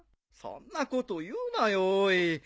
そんなこと言うなよおい。